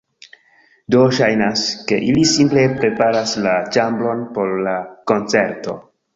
Do, ŝajnas, ke ili simple preparas la ĉambron por la koncerto